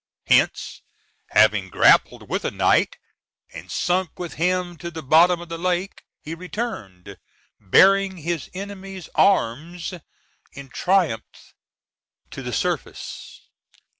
Hence, having grappled with a knight, and sunk with him to the bottom of the lake, he returned, bearing his enemy's arms in triumph to the surface.